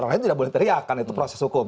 kan tidak boleh teriak karena itu proses hukum